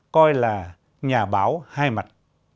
coi là nhà báo hai mặt